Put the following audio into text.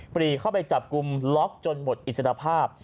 ปรีเข้าไปจับกลุ่มล็อกจนหมดอิสรภาพ